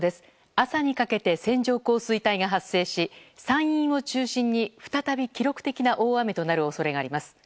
朝にかけて線状降水帯が発生し山陰を中心に再び記録的な大雨に恐れがあります。